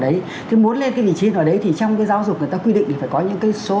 đấy thế muốn lên cái vị trí vào đấy thì trong cái giáo dục người ta quy định thì phải có những cái số